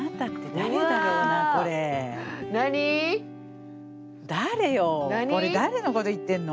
誰よこれ誰のこと言ってんの？